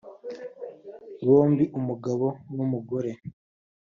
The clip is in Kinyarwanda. Bombi umugabo n’umugore